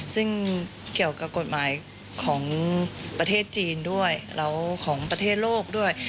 ซึ่งเกี่ยวกับกฎหมายของประเทศจีนด้วยแล้วของประเทศโลกด้วย